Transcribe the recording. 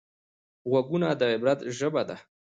غوږونه د عبرت ژبه ده